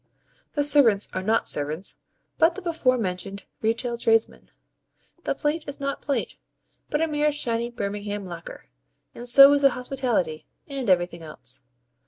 The servants are not servants, but the before mentioned retail tradesmen. The plate is not plate, but a mere shiny Birmingham lacquer; and so is the hospitality, and everything else.